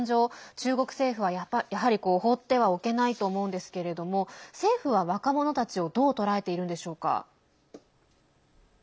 中国政府は、やはり放ってはおけないと思うんですけれども政府は若者たちをどう捉えているんでしょうか。